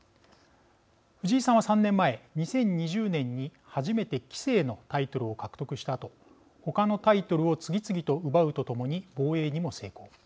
藤井さんは３年前２０２０年に初めて棋聖のタイトルを獲得したあと他のタイトルを次々と奪うとともに防衛にも成功。